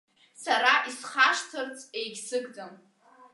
Сара исхашҭырц егьсыгӡам.